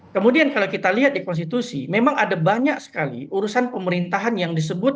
kemudian kalau kita lihat di konstitusi memang ada banyak sekali urusan pemerintahan yang disebut